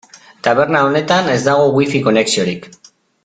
Taberna honetan ez dago Wi-Fi konexiorik.